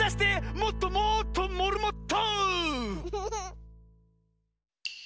もっともっとモルモット！